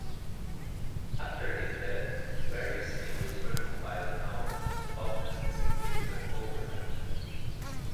After his death, various singles were compiled on albums, often with significant overlap.